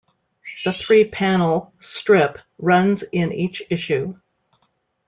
The three panel strip runs in each issue.